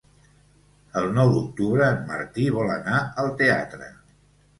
El nou d'octubre en Martí vol anar al teatre.